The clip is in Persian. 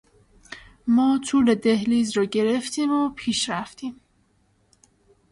ما طول دهلیز را گرفتیم و پیش رفتیم.